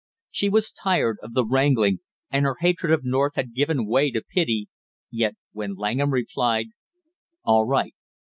She was tired of the wrangling, and her hatred of North had given way to pity, yet when Langham replied: "All right.